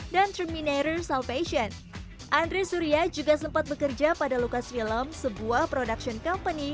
dan terminator salvation andri surya juga sempat bekerja pada lukas film sebuah production company